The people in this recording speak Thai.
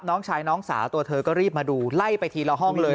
น้องชายน้องสาวตัวเธอก็รีบมาดูไล่ไปทีละห้องเลย